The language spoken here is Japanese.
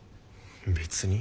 別に。